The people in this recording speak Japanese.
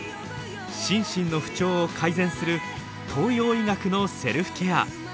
心身の不調を改善する東洋医学のセルフケア。